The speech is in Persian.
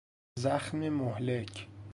زخم مهلک